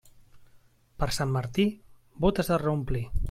Per Sant Martí, bótes a reomplir.